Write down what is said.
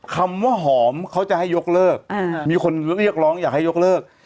คำว่าหอมเขาจะให้ยกเลิกมีคนเรียกร้องอยากให้ยกเลิก